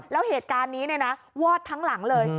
แล้วเหตุการณ์นี้เนี่ยนะวอดทั้งหลังเลย